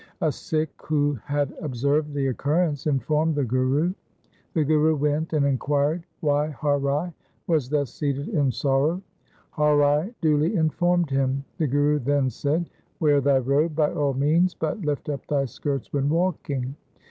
A Sikh who had observed the occurrence informed the Guru. The Guru went and inquired why Har Rai was thus seated in sorrow. Har Rai duly informed him. The Guru then said, ' Wear thy robe by all means, but lift up thy skirts when walking.